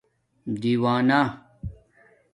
دِیوانݳ